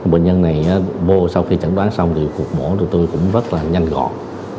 bệnh nhân này sau khi chẩn đoán xong thì cuộc mổ thì tôi cũng rất là nhanh gọn